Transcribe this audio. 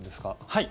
はい。